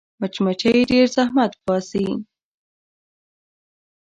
مچمچۍ ډېر زحمت باسي